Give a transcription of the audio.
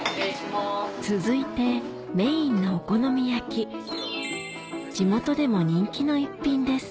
続いてメインのお好み焼き地元でも人気の一品です